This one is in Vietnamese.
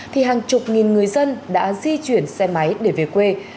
thì hàng chục nghìn người dân đã di chuyển xe máy để về quê